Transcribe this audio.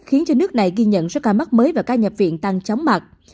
khiến cho nước này ghi nhận số ca mắc mới và ca nhập viện tăng chóng mặt